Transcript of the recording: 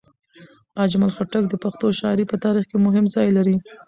اجمل خټک د پښتو شاعرۍ په تاریخ کې مهم ځای لري.